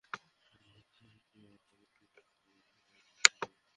স্বাগত, স্যার ইনি আমাদের ভাইস প্রিন্সিপ্যাল।